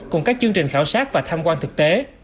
cùng các chương trình khảo sát và tham quan thực tế